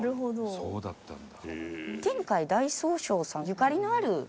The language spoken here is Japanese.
そうだったんだ。